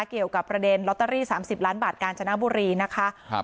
เกี่ยวกับประเด็นลอตเตอรี่๓๐ล้านบาทกาญจนบุรีนะคะ